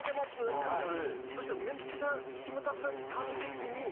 そしたらめっちゃキムタクさんって。